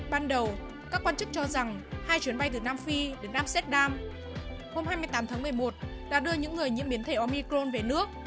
ban đầu các quan chức cho rằng hai chuyến bay từ nam phi đến nam sedam hôm hai mươi tám tháng một mươi một đã đưa những người nhiễm biến thể omicron về nước